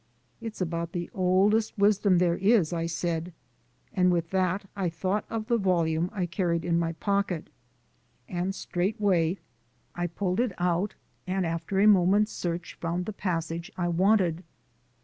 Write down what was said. "It's about the oldest wisdom there is," I said, and with that I thought of the volume I carried in my pocket, and straightway I pulled it out and after a moment's search found the passage I wanted.